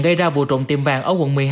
gây ra vụ trộm tiệm vàng ở quận một mươi hai